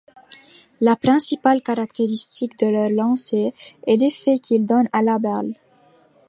La principale caractéristique de leurs lancers est l'effet qu'ils donnent à la balle.